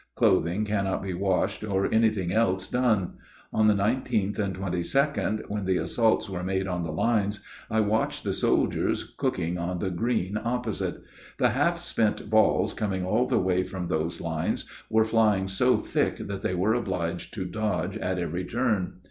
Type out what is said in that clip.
Clothing cannot be washed or anything else done. On the 19th and 22d, when the assaults were made on the lines, I watched the soldiers cooking on the green opposite. The half spent balls coming all the way from those lines were flying so thick that they were obliged to dodge at every turn.